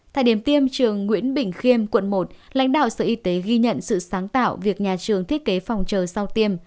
tại điểm tiêm trường nguyễn bình khiêm quận một lãnh đạo sở y tế ghi nhận sự sáng tạo việc nhà trường thiết kế phòng chờ sau tiêm